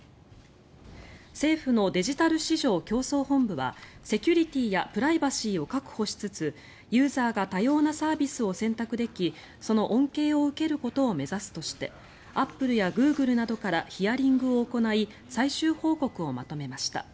政府のデジタル市場競争本部はセキュリティーやプライバシーを確保しつつユーザーが多様なサービスを選択できその恩恵を受けることを目指すとしてアップルやグーグルなどからヒアリングを行い最終報告をまとめました。